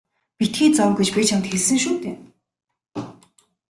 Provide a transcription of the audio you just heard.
Битгий зов гэж би чамд хэлсэн шүү дээ.